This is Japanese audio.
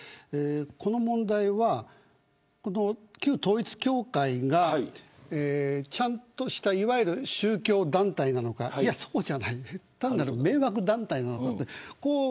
この問題は、旧統一教会がちゃんとしたいわゆる宗教団体なのかそうじゃない単なる迷惑団体なのか。